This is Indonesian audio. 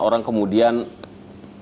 orang kemudian kembali lagi bercanda